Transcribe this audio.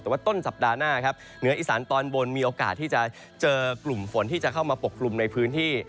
แต่ว่าต้นสัปดาห์หน้าครับเหนืออีสานตอนบนมีโอกาสที่จะเจอกลุ่มฝนที่จะเข้ามาปกกลุ่มในพื้นที่